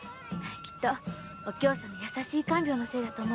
きっとお京さんの優しい看病のせいですよ。